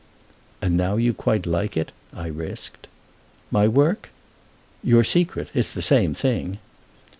"And now you quite like it?" I risked. "My work?" "Your secret. It's the same thing."